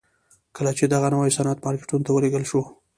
کله چې دغه نوی صنعت مارکیټونو ته ولېږل شو